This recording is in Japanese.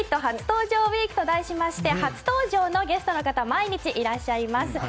初登場ウイークと題しまして初登場のゲストの方毎日いらっしゃいます。